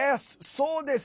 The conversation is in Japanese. そうです。